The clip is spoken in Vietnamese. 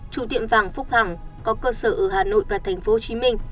chủ tiệm vàng phúc hằng có cơ sở ở hà nội và tp hcm